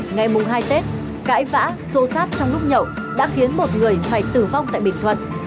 ngày hai tết cãi vã xô xát trong lúc nhậu đã khiến một người phải tử vong tại bình thuận